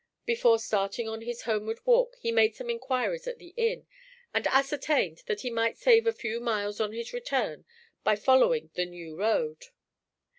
Before starting on his homeward walk he made some inquiries at the inn, and ascertained that he might save a few miles on his return by following the new road.